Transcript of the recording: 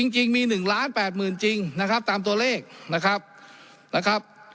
จริงมี๑๘๐๐๐๐๐จริงนะครับตามตัวเลขนะครับ